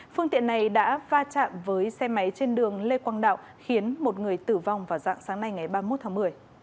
phương tiện này đã va chạm với xe máy trên đường lê quang đạo khiến một người tử vong vào dạng sáng nay ngày ba mươi một tháng một mươi